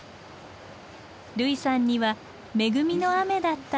類さんには恵みの雨だったようです。